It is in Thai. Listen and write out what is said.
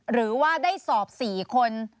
หรือได้สอบ๔คน